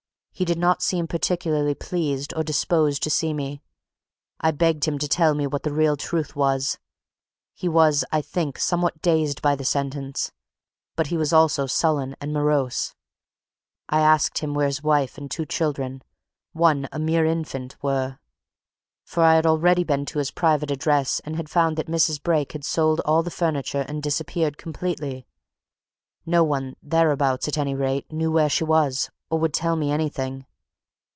He did not seem particularly pleased or disposed to see me. I begged him to tell me what the real truth was. He was, I think, somewhat dazed by the sentence but he was also sullen and morose. I asked him where his wife and two children one, a mere infant were. For I had already been to his private address and had found that Mrs. Brake had sold all the furniture and disappeared completely. No one thereabouts, at any rate knew where she was, or would tell me anything.